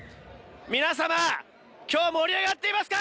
皆様、今日、盛り上がっていますか？